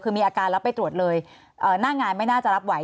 คือมีอาการแล้วไปตรวจเลยหน้างานไม่น่าจะรับไหว